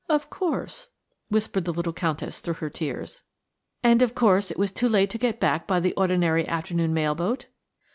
"Of course," whispered the little Countess through her tears. "And, of course, it was too late to get back by the ordinary afternoon mail boat?"